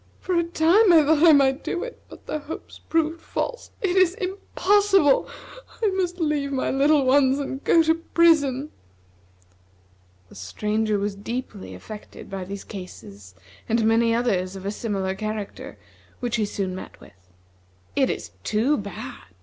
For a time I thought I might do it, but the hopes proved false. It is impossible. I must leave my little ones, and go to prison." The Stranger was deeply affected by these cases and many others of a similar character, which he soon met with. "It is too bad!